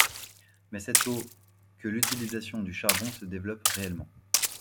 Mais c'est au que l'utilisation du charbon se développe réellement.